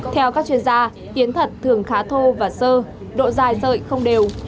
theo các chuyên gia yến thật thường khá thô và sơ độ dài sợi không đều